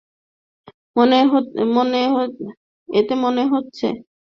এতে মনে হচ্ছে, দুটি জনগোষ্ঠীই পৃথকভাবে বুঝতে পারে কুকুরকে পোষ মানানো সম্ভব।